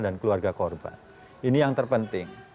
dan keluarga korban ini yang terpenting